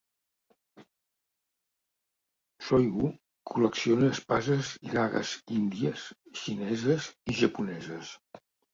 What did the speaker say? Shoygu col·lecciona espases i dagues índies, xineses i japoneses.